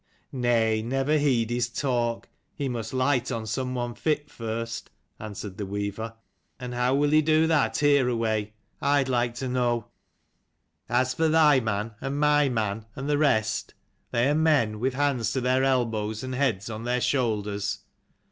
" Nay, never heed his talk. He must light on some one fit first," answered the weaver: " and how will he do that hereaway, I'd like to 8 know? As for thy man, and my man, and the rest, they are men, with hands to their elbows and heads on their shoulders."